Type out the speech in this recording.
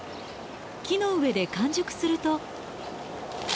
木の上で完熟すると。